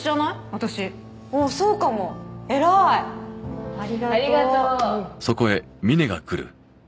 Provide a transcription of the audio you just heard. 私あっそうかも偉いありがとうあっあっ